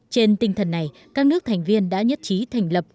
trên tinh thần này các nước thành viên đã nhất trí thành lập